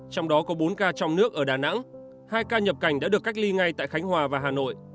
trong đó có bốn ca trong nước ở đà nẵng hai ca nhập cảnh đã được cách ly ngay tại khánh hòa và hà nội